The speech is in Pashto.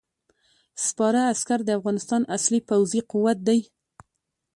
سپاره عسکر د افغانستان اصلي پوځي قوت دی.